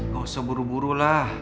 gak usah buru buru lah